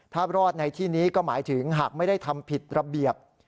ถ้ารอดในที่นี้ก็หมายถึงหากไม่ได้ทำผิดระเบียบ